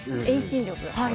遠心力が。